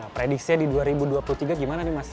prediksinya di dua ribu dua puluh tiga gimana nih mas